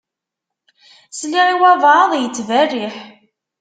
Sliɣ i walebɛaḍ yettberriḥ.